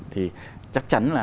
thì chắc chắn là